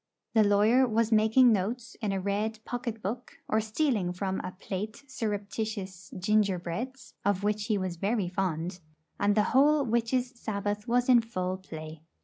the lawyer was making notes in a red pocket book, or stealing from a plate surreptitious gingerbreads, of which he was very fond; and the whole Witches' Sabbath was in full play.